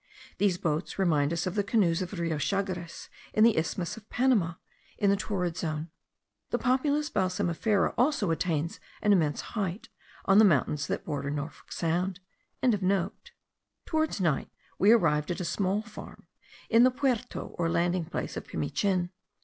These boats remind us of the canoes of the Rio Chagres in the isthmus of Panama, in the torrid zone. The Populus balsamifera also attains an immense height, on the mountains that border Norfolk Sound.) Towards night we arrived at a small farm, in the puerto or landing place of Pimichin.